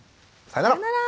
さよなら。